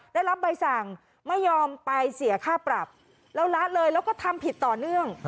ได้รับใบสั่งไม่ยอมไปเสียค่าปรับแล้วละเลยแล้วก็ทำผิดต่อเนื่อง